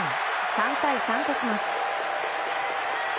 ３対３とします。